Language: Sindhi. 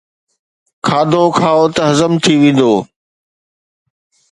کاڌو کائو ته هضم ٿي ويندو.